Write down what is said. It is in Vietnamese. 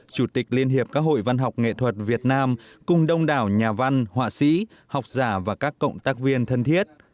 chủ tịch liên hiệp các hội văn học nghệ thuật việt nam cùng đông đảo nhà văn họa sĩ học giả và các cộng tác viên thân thiết